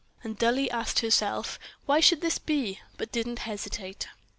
And dully asked herself why this should be ... But didn't hesitate.